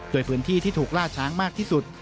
โดยพื้นที่ที่ถูกล่าช้างมากที่สุด